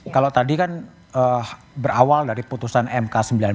kalau tadi kan berawal dari putusan mk sembilan belas